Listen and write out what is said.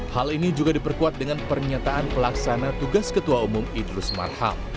hal ini juga diperkuat dengan pernyataan pelaksana tugas ketua umum idrus marham